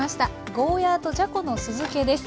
「ゴーヤーとじゃこの酢漬け」です。